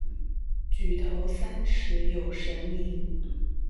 举头三尺有神明。